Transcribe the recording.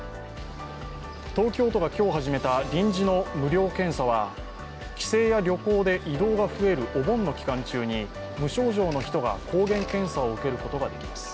東京都が今日始めた臨時の無料検査は帰省や旅行で移動が増えるお盆の期間中に無症状の人が抗原検査を受けることができます。